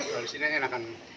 kalau disini enakan